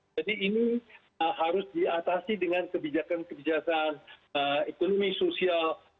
jadi ini harus diatasi dengan kebijakan kebijakan ekonomi sosial